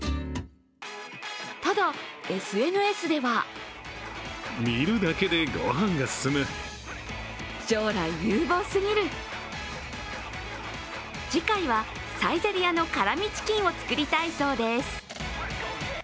ただ、ＳＮＳでは次回はサイゼリヤの辛味チキンを作りたいそうです。